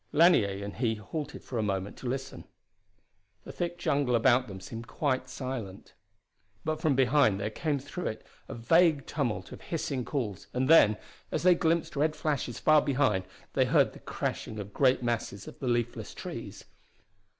Lanier and he halted for a moment to listen. The thick jungle about them seemed quite silent. But from behind there came through it a vague tumult of hissing calls; and then, as they glimpsed red flashes far behind, they heard the crashing of great masses of the leafless trees.